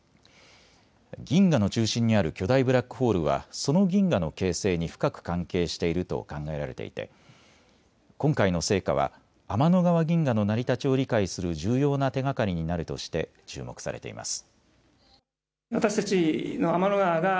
銀河の中心にある巨大ブラックホールはその銀河の形成に深く関係していると考えられていて今回の成果は天の川銀河の成り立ちを理解する重要な手がかりになるとして注目されています。